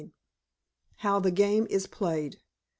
HOW THE GAME IS PLAYED.